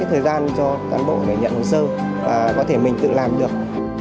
có thời gian cho cán bộ phải nhận hồ sơ và có thể mình tự làm được